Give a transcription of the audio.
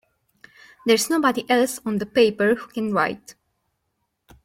There's nobody else on the paper who can write!